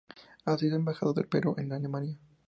Ha sido Embajador del Perú en Alemania.